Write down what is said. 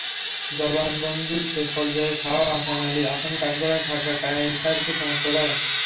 জবানবন্দির শেষ পর্যায়ে শাহ হাসান আলী আসামির কাঠগড়ায় থাকা কায়সারকে শনাক্ত করেন।